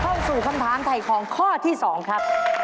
เข้าสู่คำถามถ่ายของข้อที่๒ครับ